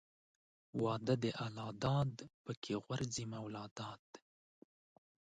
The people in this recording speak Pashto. واده د الله داد پکښې غورځي مولاداد.